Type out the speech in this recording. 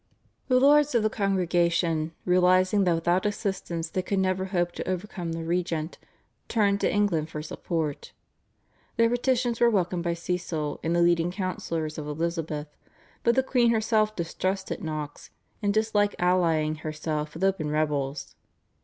The lords of the Congregation, realising that without assistance they could never hope to overcome the regent, turned to England for support. Their petitions were welcomed by Cecil and the leading counsellors of Elizabeth, but the queen herself distrusted Knox, and disliked allying herself with open rebels.